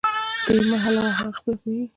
ته یې مه حلوه، هغه خپله پوهیږي